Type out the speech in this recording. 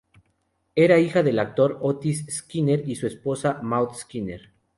Era hija del actor Otis Skinner y su esposa Maud Skinner.